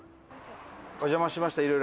お邪魔しました。